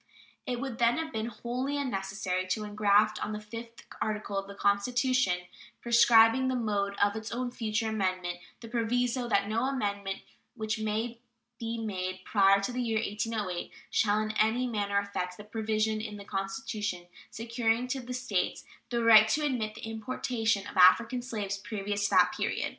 It would, then, have been wholly unnecessary to ingraft on the fifth article of the Constitution, prescribing the mode of its own future amendment, the proviso "that no amendment which may be made prior to the year 1808 shall in any manner affect" the provision in the Constitution securing to the States the right to admit the importation of African slaves previous to that period.